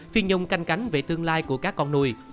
phi nhung canh cánh về tương lai của các con nuôi